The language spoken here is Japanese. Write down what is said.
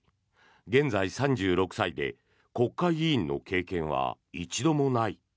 現在３６歳で国会議員の経験は一度もない。